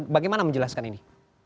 bagaimana menjelaskan ini